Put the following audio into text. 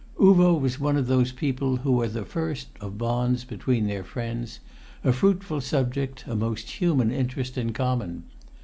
Uvo was one of those people who are the first of bonds between their friends, a fruitful subject, a most human interest in common.